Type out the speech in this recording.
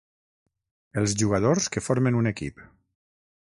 Els jugadors que formen un equip.